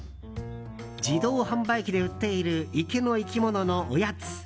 自動販売機で売っている池の生き物のおやつ。